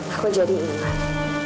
aku jadi ingat